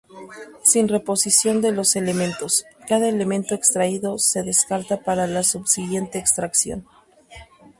Sin reposición de los elementos: Cada elemento extraído se descarta para la subsiguiente extracción.